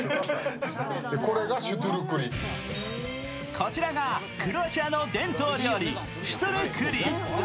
こちらがクロアチアの伝統料理、シュトゥルクリ。